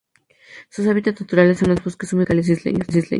Sus hábitats naturales son los bosques húmedos tropicales isleños.